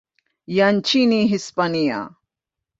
ya nchini Hispania.